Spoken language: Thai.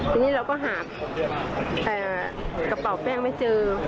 ทีนี้เราก็หากระเป๋าแป้งไม่เจอ